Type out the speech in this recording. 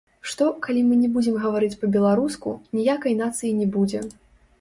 Што, калі мы не будзем гаварыць па-беларуску, ніякай нацыі не будзе.